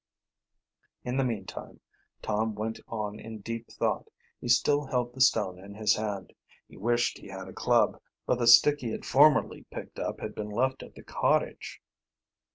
In the meantime Tom went on in deep thought. He still held the stone in his hand. He wished he had a club, but the stick he had formerly picked up had been left at the cottage.